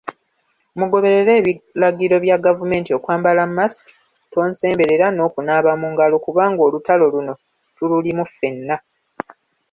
Mugoberere ebiragiro bya gavumenti okwambala mask, tonsemberera n'okunaaba mungalo kubanga olutalo luno tululimu fenna.